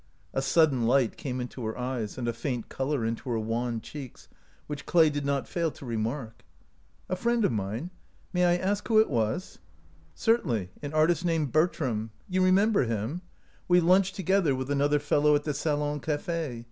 A sudden light came into her eyes and a faint color into her wan cheeks, which Clay did not fail to remark. "A friend of mine! May I ask who it was?" " Certainly ; an artist named Bertram. You remember him? We lunched together with another fellow at the salon cafe.